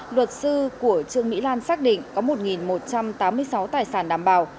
luật sư của trương mỹ lan xác định có một một trăm tám mươi sáu tài sản đảm bảo